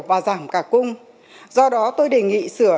và giảm cả cung do đó tôi đề nghị sửa